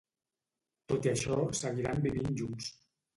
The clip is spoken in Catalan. Tot i això, seguiran vivint junts.